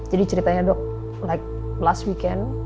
jadi ceritanya dok like last weekend